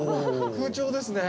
空調ですね。